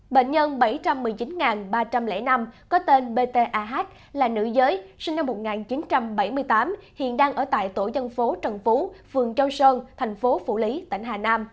bệnh nhân bảy trăm một mươi chín ba trăm linh năm có tên btah là nữ giới sinh năm một nghìn chín trăm bảy mươi tám hiện đang ở tại tổ dân phố trần phú phường châu sơn thành phố phủ lý tỉnh hà nam